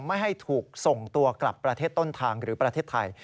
ไม่ให้ถูกส่งตัวกลับประเทศต้นทางหรือประเทศไทย